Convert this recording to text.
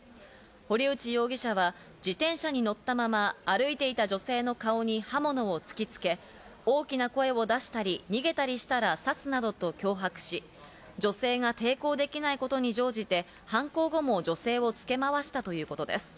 堀内容疑者は自転車に乗ったまま歩いていた女性の顔に刃物を突きつけ、大きな声を出したり逃げたりしたら刺すなどと脅迫し、女性が抵抗できないことに乗じて、犯行後も女性をつけ回したということです。